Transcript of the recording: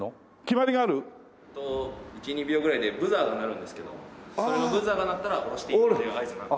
１２秒ぐらいでブザーが鳴るんですけどそれのブザーが鳴ったら下ろしていいっていう合図になる。